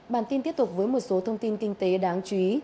bản tin tiếp tục với một số thông tin kinh tế đáng chú ý